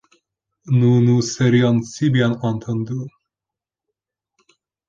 Nous nous serions si bien entendus !